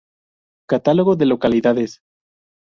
Catálogo de localidades.